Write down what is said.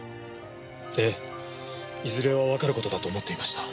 ええいずれはわかる事だと思っていました。